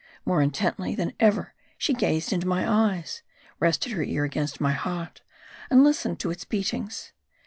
More intently than ever she gazed into my eyes ; rested her ear against my heart, and listened to its beatings.